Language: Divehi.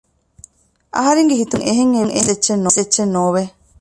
އަހަރެންގެ ހިތުގައި އެނޫން އެހެން އެއްވެސް އެއްޗެއް ނޯވެ